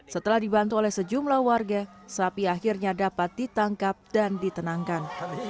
setelah dibantu oleh sejumlah warga sapi akhirnya dapat ditangkap dan ditenangkan